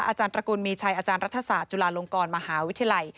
อาจารย์ตระกูลมีชัยอาจารย์รัฐศาสตร์จุฬาลงกรมหาวิทยาลัย